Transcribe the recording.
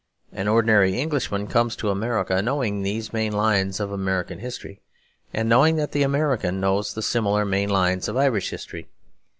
An ordinary Englishman comes to America, knowing these main lines of American history, and knowing that the American knows the similar main lines of Irish history.